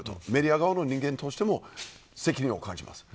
メディア側の人間としても責任を感じます。